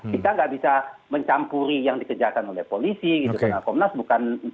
kita nggak bisa mencampuri yang dikerjakan oleh polisi gitu kan